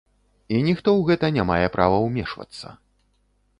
І ніхто ў гэта не мае права ўмешвацца.